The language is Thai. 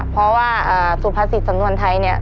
เพราะว่าสุภาษิตสำนวนไทยเนี่ย